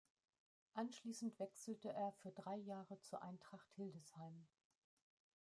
Anschließend wechselte er für drei Jahre zur Eintracht Hildesheim.